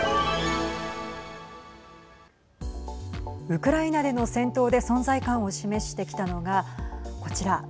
ウクライナでの戦闘で存在感を示してきたのがこちら。